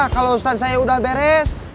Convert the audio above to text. kalau stand saya udah beres